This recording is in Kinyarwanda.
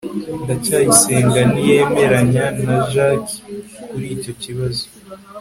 ndacyayisenga ntiyemeranya na jaki kuri icyo kibazo